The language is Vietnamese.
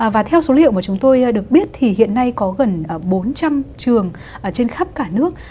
và theo số liệu mà chúng tôi được biết thì hiện nay có gần bốn trăm linh trường trên khắp cả nước